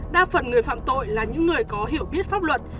đa phần người phạm tội là những người có hiểu biết pháp luật